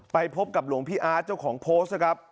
ไปพบกับหลวงพี่อาร์ตเจ้าของโพสต์นะครับ